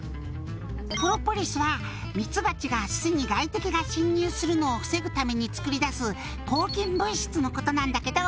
「プロポリスはミツバチが巣に外敵が侵入するのを防ぐために作り出す抗菌物質のことなんだけど」